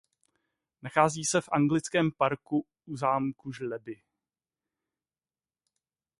Nachází se v anglickém parku u zámku Žleby.